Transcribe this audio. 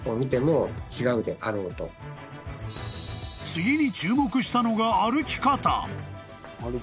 ［次に注目したのが歩き方］